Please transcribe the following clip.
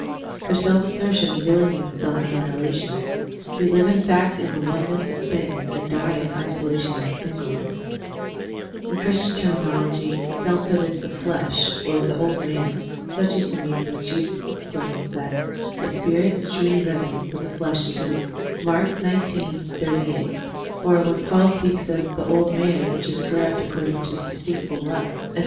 For self assertion really means self annihilation. We live in fact in the oneness of things and die in isolation and singleness. In Christian terminology, selfhood is the "flesh,'* or "the old man'*; such is the meaning 12(5 Digitized by Google IGNORANCE AND ENLIGHTENMENT 1 27 when Jesus exclaims that "the spirit is truly ready, but the flesh is weak'' (Mark xiv, 38), or when Paul speaks of "the old man which is corrupt according to the deceitful lusts*' (Eph.